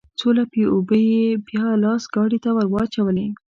څو لپې اوبه يې بيا لاس ګاډي ته ورواچولې.